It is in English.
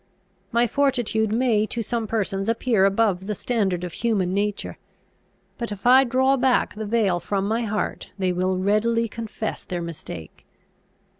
My fortitude may to some persons appear above the standard of human nature. But if I draw back the veil from my heart they will readily confess their mistake.